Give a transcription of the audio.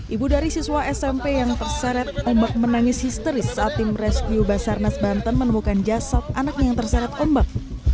ibu dari siswa smp yang terseret ombak menangis histeris saat tim rescue basarnas banten menemukan jasad anaknya yang terseret ombak